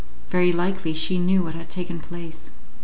Very likely she knew what had taken place.